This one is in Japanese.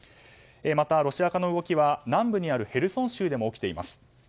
また、ロシア化の動きは南部のヘルソン州でも起きています。